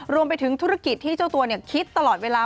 รวมไปถึงธุรกิจที่เจ้าตัวคิดตลอดเวลา